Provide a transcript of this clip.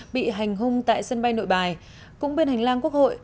bị hành hung tại sân bay nội bài cũng bên hành lang quốc hội